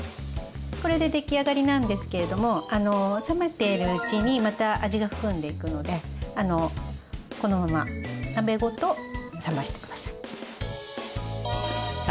これで出来上がりなんですけれども冷めているうちにまた味が含んでいくのでこのまま鍋ごと冷まして下さい。